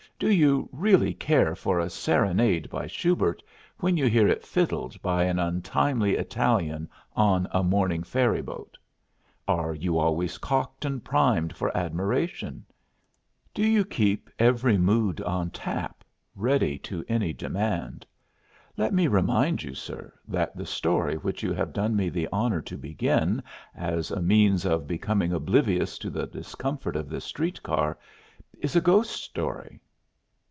Do you really care for a serenade by Schubert when you hear it fiddled by an untimely Italian on a morning ferryboat? Are you always cocked and primed for enjoyment? Do you keep every mood on tap, ready to any demand? Let me remind you, sir, that the story which you have done me the honor to begin as a means of becoming oblivious to the discomfort of this car is a ghost story!"